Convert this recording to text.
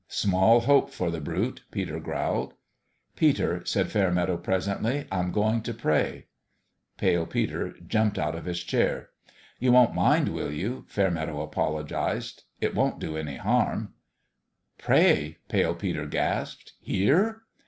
"Small hope for the brute !" Peter growled. " Peter," said Fairmeadow, presently, " I'm going to pray." Pale Peter jumped out of his chair. " You won't mind, will you ?" Fairmeadow apologized. " It won't do any harm." " Pray 1 " Pale Peter gasped. " Here